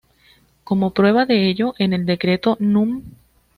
Como prueba de ello, en el decreto núm.